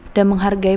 namun setelah makan